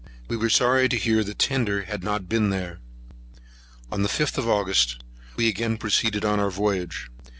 We were sorry to hear the tender had not been there. On the 5th of August, we again proceeded on our voyage.